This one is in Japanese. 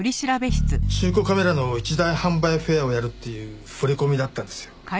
中古カメラの一大販売フェアをやるっていう触れ込みだったんですよ。